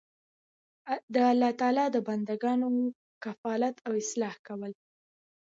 د الله تعالی د بندګانو کفالت او اصلاح کول